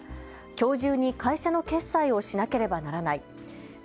きょう中に会社の決済をしなればならない。